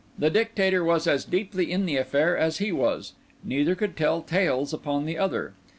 The Dictator was as deeply in the affair as he was; neither could tell tales upon the other.